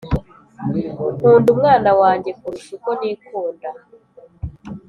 Nkunda umwana wanjye kurusha uko nikunda